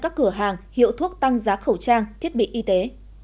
các cửa hàng hiệu thuốc tăng giá khẩu trang thiết bị y tế